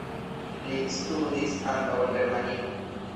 Li studis ankaŭ en Germanio.